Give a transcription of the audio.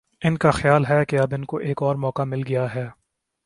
ان کا خیال ہے کہ اب ان کو ایک اور موقع مل گیا ہے۔